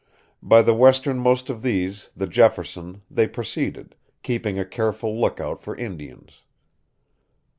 By the westernmost of these, the Jefferson, they proceeded, keeping a careful lookout for Indians.